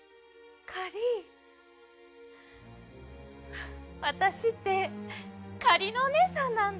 フッわたしってかりのおねえさんなんだ。